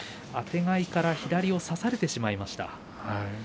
あてがってから左を差されてしまいました。